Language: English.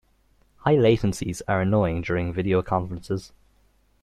High latencies are annoying during video conferences.